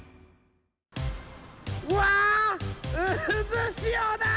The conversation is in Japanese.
うわうずしおだ！